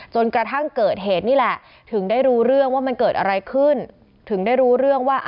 จนกระทั่งเกิดเหตุนี่แหละถึงได้รู้เรื่องว่ามันเกิดอะไรขึ้นถึงได้รู้เรื่องว่า